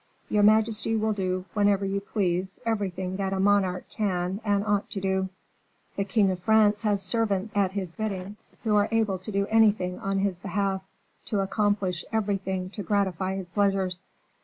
"Your majesty will do, whenever you please, everything that a monarch can and ought to do. The king of France has servants at his bidding who are able to do anything on his behalf, to accomplish everything to gratify his pleasures."